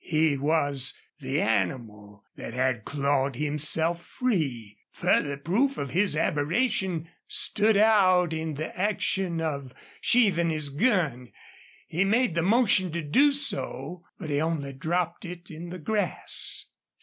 He was the animal that had clawed himself free. Further proof of his aberration stood out in the action of sheathing his gun; he made the motion to do so, but he only dropped it in the grass.